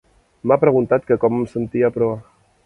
M'ha preguntant que com em sentia a Proa.